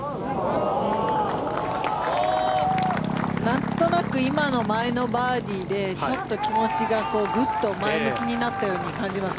なんとなく今の前のバーディーでちょっと気持ちがグッと前向きになったように感じます。